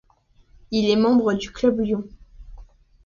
Il est membre du Club Lions.